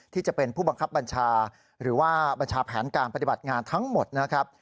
ที่จะเป็นผู้บังคับบัญชาหรือว่าบัญชาแผนการปฏิบัติงานทั้งหมดนะครับ